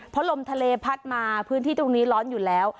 เพราะลมทะเลพัดมาพื้นที่ตรงนี้ร้อนอยู่แล้ว